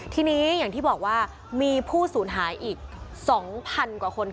ทีนี้อย่างที่บอกว่ามีผู้สูญหายอีก๒๐๐๐กว่าคน